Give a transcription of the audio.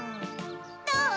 どう？